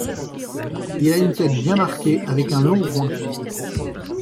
Il a une tête bien marquée avec un long groin.